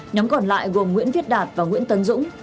nhóm còn lại gồm nguyễn viết đạt và nguyễn tấn dũng